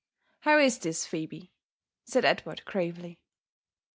" How is this, Pheber' said Edward gravely.